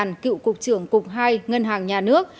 đoàn cựu cục trưởng cục hai ngân hàng nhà nước